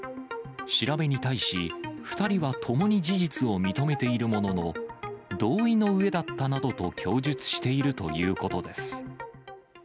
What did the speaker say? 調べに対し、２人はともに事実を認めているものの、同意の上だったなどと供述しているということです。